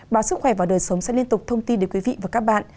báo sức khỏe và đời sống sẽ liên tục thông tin đến quý vị và các bạn